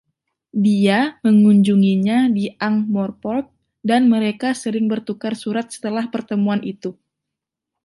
Dia mengunjunginya di Ankh-Morpork, dan mereka sering bertukar surat setelah pertemuan itu.